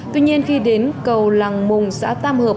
tuy nhiên khi đến cầu làng mùng xã tam hợp